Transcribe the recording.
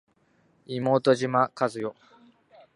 妹島和世